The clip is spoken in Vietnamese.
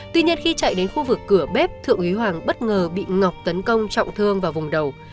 trước khi chạy đến khu vực cửa bếp thượng quý hoàng bất ngờ bị ngọc tấn công trọng thương vào vùng đầu